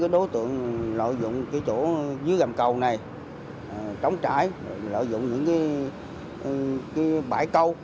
dưới gầm cầu này trống trải lợi dụng những cái bãi câu